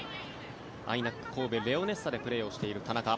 ＩＮＡＣ神戸レオネッサでプレーしている田中。